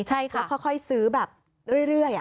แล้วค่อยซื้อแบบเรื่อย